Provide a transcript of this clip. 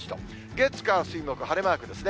月、火、水、木、晴れマークですね。